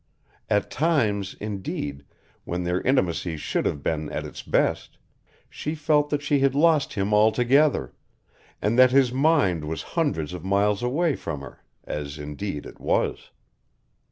At times, indeed, when their intimacy should have been at its best, she felt that she had lost him altogether, and that his mind was hundreds of miles away from her, as indeed it was.